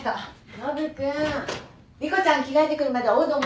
ノブ君莉湖ちゃん着替えてくるまでおうどん